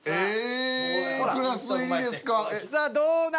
Ａクラス入りですか？